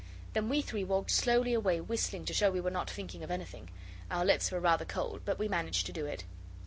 Then we three walked slowly away whistling to show we were not thinking of anything. Our lips were rather cold, but we managed to do it.